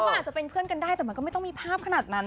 เขาอาจจะเป็นเพื่อนกันได้แต่มันก็ไม่ต้องมีภาพขนาดนั้น